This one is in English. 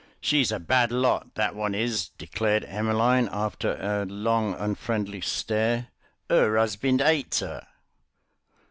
"She's a bad lot, that one is," declared Emmeline, after a long unfriendly stare; "'er 'usbind 'ates 'er."